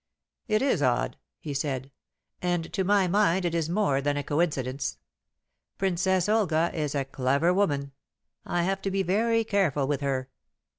"It is odd," he said; "and to my mind it is more than a coincidence. Princess Olga is a clever woman. I have to be very careful with her."